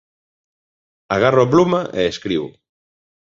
Agarro a pluma e escribo: